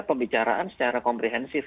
pembicaraan secara komprehensif